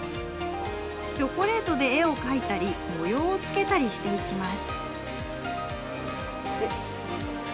チョコレートで絵を描いたり、模様をつけたりしていきます。